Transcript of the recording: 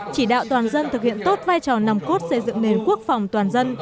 chỉ đạo toàn dân thực hiện tốt vai trò nằm cốt xây dựng nền quốc phòng toàn dân